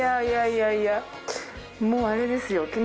いやいやいやもうあれですよ